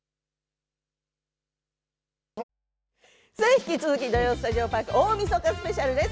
引き続き「土曜スタジオパーク大みそかスペシャル」です。